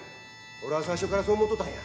俺は最初からそう思っとったんや。